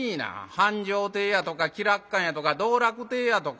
繁昌亭やとか喜楽館やとか動楽亭やとか。